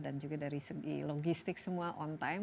dan juga dari segi logistik semua on time